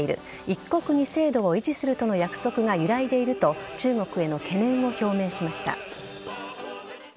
一国二制度を維持するとの約束が揺らいでいると中国への懸念を表明しました。